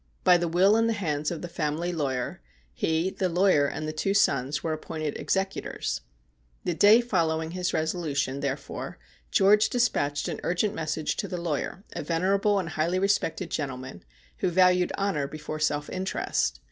By the will in the hands of the family lawyer, he (the lawyer) and the two sons were appointed executors. The day follow ing his resolution, therefore, George despatched an urgent message to the lawyer, a venerable and highly respected gentleman, who valued honour before self interest.